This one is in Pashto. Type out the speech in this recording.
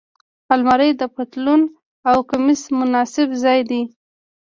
الماري د پتلون او کمیس مناسب ځای دی